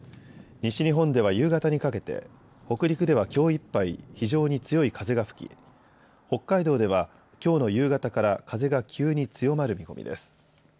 西日本では夕方にかけて、北陸ではきょういっぱい非常に強い風が吹き北海道ではきょうの夕方から風が急に強まる見込みです。